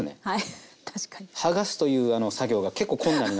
はい。